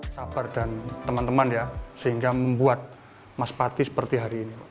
sabar dan teman teman ya sehingga membuat mas pati seperti hari ini